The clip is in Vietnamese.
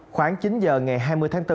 khoảng chín h ngày hai mươi tháng bốn